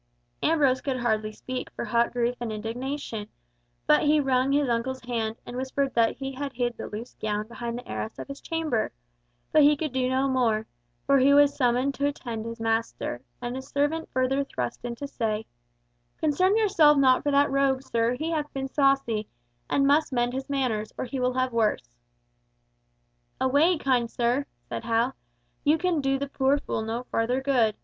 Ambrose could hardly speak for hot grief and indignation, but he wrung his uncle's hand, and whispered that he had hid the loose gown behind the arras of his chamber, but he could do no more, for he was summoned to attend his master, and a servant further thrust in to say, "Concern yourself not for that rogue, sir, he hath been saucy, and must mend his manners, or he will have worse." "Away, kind sir," said Hal, "you can do the poor fool no further good!